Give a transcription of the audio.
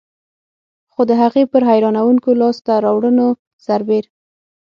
خو د هغې پر حیرانوونکو لاسته راوړنو سربېر.